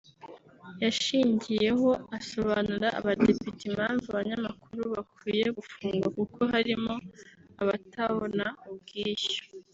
yashingiyeho asobanurira abadepite impamvu abanyamakuru bakwiye gufungwa kuko harimo abatabona ubwishyu